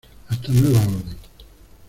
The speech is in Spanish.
hasta nueva orden.